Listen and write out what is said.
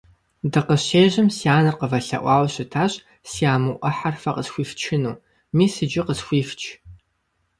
Дыкъыщежьэм си анэр къывэлъэӀуауэ щытащ си аму Ӏыхьэр фэ къысхуифчыну. Мис иджы къысхуифч.